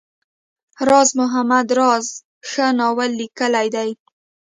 راز محمد راز ښه ناول ليکونکی دی.